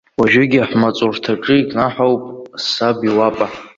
Уажәыгьы ҳмаҵурҭаҿы икнаҳауп саб иуапа.